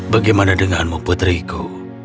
bagaimana denganmu putriku